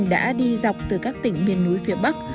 đã đi dọc từ các tỉnh miền núi phía bắc